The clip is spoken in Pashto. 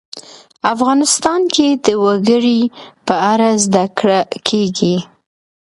افغانستان کې د وګړي په اړه زده کړه کېږي.